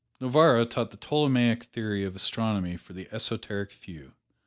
Novarra taught the Ptolemaic theory of astronomy for the esoteric few.